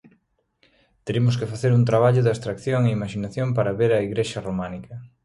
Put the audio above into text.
Teremos que facer un traballo de abstracción e imaxinación para ver a igrexa románica.